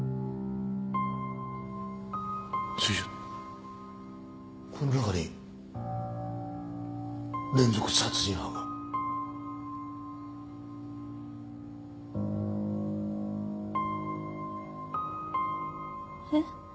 それじゃこの中に連続殺人犯が？えっ？